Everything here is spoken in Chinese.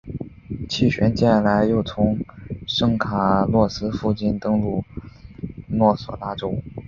气旋接下来又从圣卡洛斯附近登陆索诺拉州。